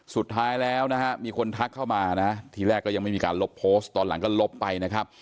สุดท้ายแล้วนะฮะมีคนทักเข้ามานะทีแรกก็ยังไม่มีการลบโพสต์ตอนหลังก็ลบไปนะครับ